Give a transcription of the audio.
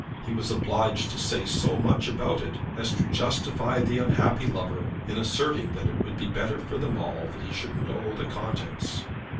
He was obliged to say so much about it as to justify the unhappy lover in asserting that it would be better for them all that he should know the contents.